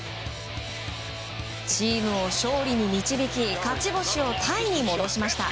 チームを勝利に導き勝ち星をタイに戻しました。